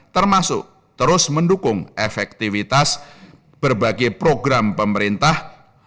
termasuk terus mendukung efektivitas berbagai program pemerintah